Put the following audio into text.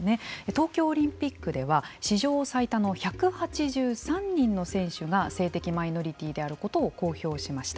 東京オリンピックでは史上最多の１８３人の選手が性的マイノリティーであることを公表しました。